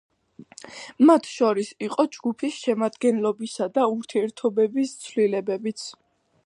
მათ შორის იყო ჯგუფის შემადგენლობისა და ურთიერთობების ცვლილებებიც.